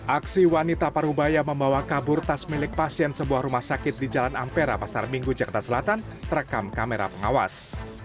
aksi wanita parubaya membawa kabur tas milik pasien sebuah rumah sakit di jalan ampera pasar minggu jakarta selatan terekam kamera pengawas